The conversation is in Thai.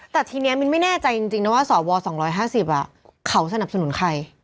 แต่ทีนี้มินไม่แน่ใจจริงแล้วสอวอร์สองร้อยห้าสิบเขาสนับสนุนใคร